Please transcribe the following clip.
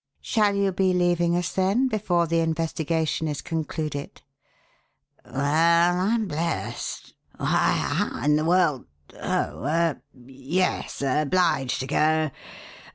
"Shall you be leaving us, then, before the investigation is concluded?" "Well, I'm blest! Why, how in the world oh er yes. Obliged to go.